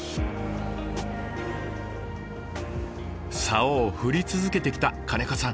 サオを振り続けてきた金子さん。